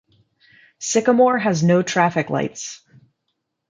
Sycamore has no traffic lights.